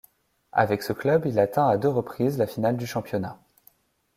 Avec ce club, il atteint à deux reprises la finale du championnat.